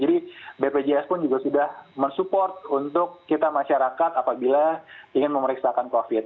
jadi bpjs pun juga sudah mensupport untuk kita masyarakat apabila ingin memeriksakan covid